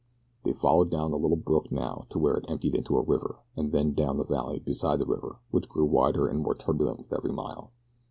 They followed down the little brook now to where it emptied into a river and then down the valley beside the river which grew wider and more turbulent with every mile.